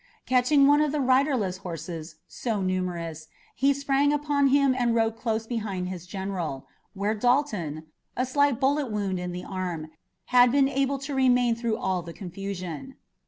Catching one of the riderless horses, so numerous, he sprang upon him and rode close behind his general, where Dalton, a slight bullet wound in the arm, had been able to remain through all the confusion.